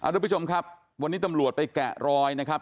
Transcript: ทุกผู้ชมครับวันนี้ตำรวจไปแกะรอยนะครับ